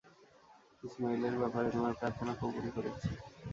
ইসমাঈলের ব্যাপারে তোমার প্রার্থনা কবুল করেছি।